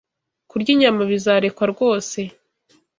Kurya inyama bizarekwa rwose